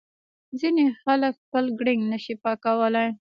ځینې خلک خپل ګړنګ نه شي پاکولای.